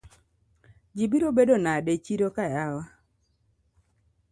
Ji biro bedo nade echiroka yawa?